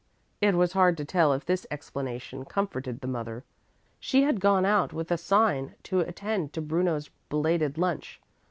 It was hard to tell if this explanation comforted the mother. She had gone out with a sign to attend to Bruno's belated lunch.